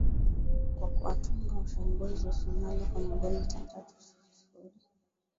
kwa kuwatwanga ocean boys wa somalia kwa magoli matatu kwa sufuri